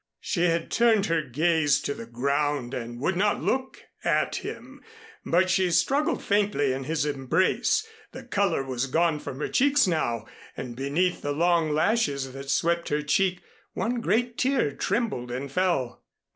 She had turned her gaze to the ground and would not look at him but she struggled faintly in his embrace. The color was gone from her cheeks now and beneath the long lashes that swept her cheek one great tear trembled and fell.